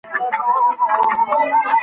زده کړې ته لاسرسی د ښځو حق دی.